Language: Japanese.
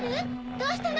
どうしたの？